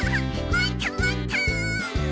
もっともっと！